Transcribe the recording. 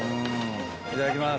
いただきます。